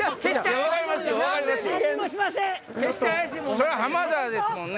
そりゃ浜田ですもんね。